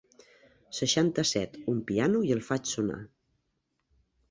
Seixanta-set un piano i el faig sonar.